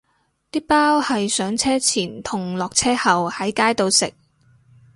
啲包係上車前同落車後喺街度食